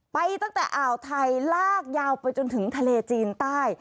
ไปตั้งแต่อ่าวไทยลากยาวไปจนถึงทะเลจีนใต้